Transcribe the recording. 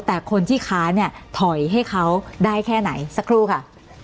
แต่คนที่ค้าเนี่ยถอยให้เขาได้แค่ไหนสักครู่ค่ะ